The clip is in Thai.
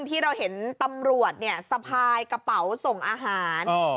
ที่เราเห็นตำรวจเนี่ยสะพายกระเป๋าส่งอาหาร